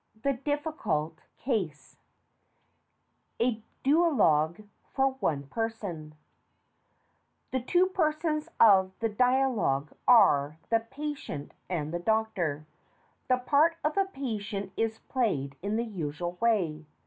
XX THE DIFFICULT CASE A DUOLOGUE FOR ONE PERSON CT'HE two persons of the Dialogue are the PATIENT * and the DOCTOR. The part of the PATIENT is played in the usual way.